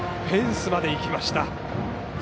フェンスまでいきました。